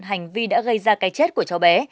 hành vi đã gây ra cái chết của cháu bé